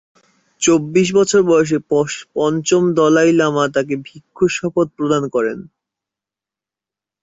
চব্বিশ বছর বয়সে পঞ্চম দলাই লামা তাকে ভিক্ষুর শপথ প্রদান করেন।